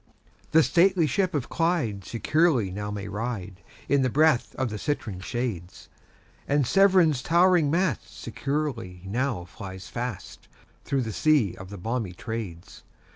The stately ship of Clyde securely now may ride, In the breath of the citron shades; And Severn's towering mast securely now flies fast, Through the sea of the balmy Trades.